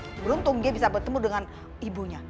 beruntung dia bisa bertemu dengan ibunya